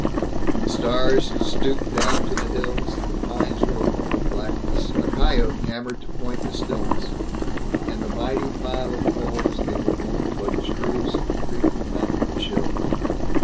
The stars stooped down to the hills; the pines were a wall of blackness; a coyote yammered to point the stillness; and the mighty pile of coals gave a warmth luxurious in the creeping mountain chill.